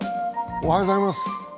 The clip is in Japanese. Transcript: おはようございます。